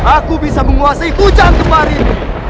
aku bisa menguasai hujan kemarin